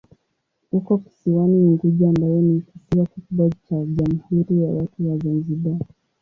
Uko kisiwani Unguja ambayo ni kisiwa kikubwa cha Jamhuri ya Watu wa Zanzibar.